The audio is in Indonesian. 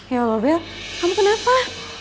ya allah bel kamu kenapa